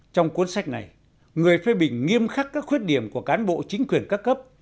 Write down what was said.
trong cuốn sách này người phê bình nghiêm khắc các khuyết điểm của cán bộ chính quyền các cấp